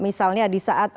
misalnya di saat